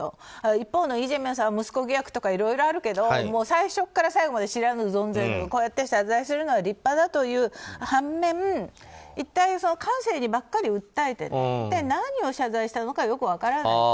一方のイ・ジェミョンさんは息子疑惑とかいろいろあるけど最初から最後まで知らぬ存ぜぬこうやって謝罪するのは立派だという反面一体、感性にばかり訴えて何を謝罪したのかよく分からないと。